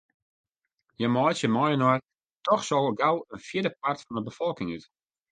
Hja meitsje mei-inoar dochs al gau in fjirdepart fan 'e befolking út.